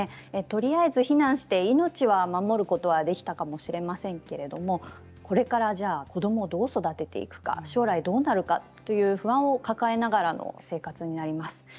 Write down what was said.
とりあえず避難して命を守ることはできたかもしれませんがこれから子どもをどう育てていくか将来どうなるかという不安を抱えながらの生活になります。